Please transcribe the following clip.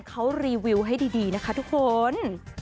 เขารีวิวให้ดีนะคะทุกคน